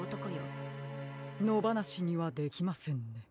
のばなしにはできませんね。